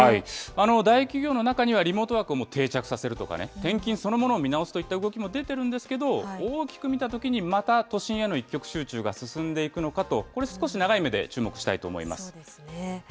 大企業の中には、リモートワークも定着させるとかね、転勤そのものを見直すといった動きも出てるんですけど、大きく見たときに、また都心への一極集中が進んでいくのかと、これ、少しそうですね。